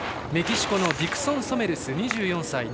メキシコのディクソンソメルス、２４歳。